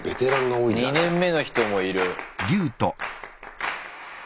２年目の人もいる。